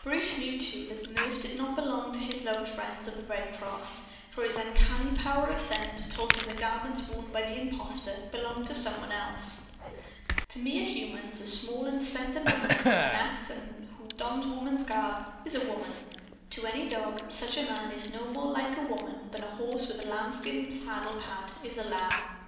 Bruce knew, too, that the nurse did not belong to his loved friends of the Red Cross. For his uncanny power of scent told him the garments worn by the impostor belonged to some one else. To mere humans, a small and slender man, who can act, and who dons woman's garb, is a woman. To any dog, such a man is no more like a woman than a horse with a lambskin saddle pad is a lamb.